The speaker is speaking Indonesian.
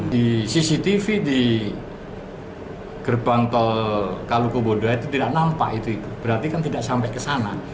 di cctv di gerbang tol kalu kobodo itu tidak nampak itu berarti kan tidak sampai ke sana